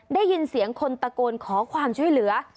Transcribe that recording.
ได้ยินเสียงคนตะโกนขอความช่วยเหลือ